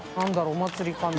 お祭りかな？